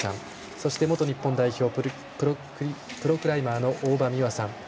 そして、元日本代表プロクライマーの大場美和さん。